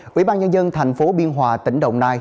quỹ ban nhân dân thành phố biên hòa tỉnh đồng nai